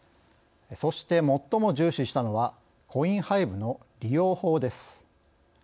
そして、最も重視したのはコインハイブの利用法です。